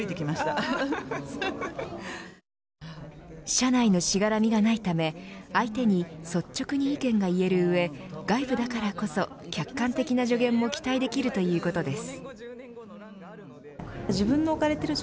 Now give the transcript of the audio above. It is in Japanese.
社内のしがらみがないため相手に率直に意見が言える上外部だからこそ客観的な助言も期待できるということです。